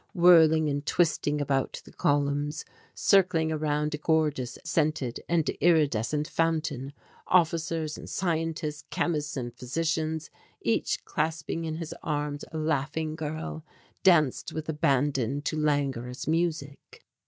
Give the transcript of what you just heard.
Whirling and twisting about the columns, circling around a gorgeous scented and iridescent fountain, officers and scientists, chemists and physicians, each clasping in his arms a laughing girl, danced with abandon to languorous music.